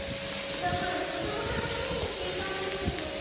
だからとてもたのしみにしていたんですけど。